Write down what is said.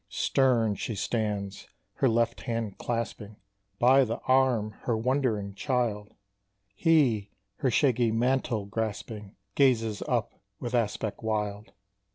Stern she stands, her left hand clasping By the arm her wondering child: He, her shaggy mantle grasping, Gazes up with aspect wild.